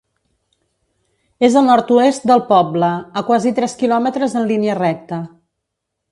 És al nord-oest del poble, a quasi tres quilòmetres en línia recta.